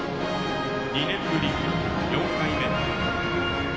２年ぶり４回目。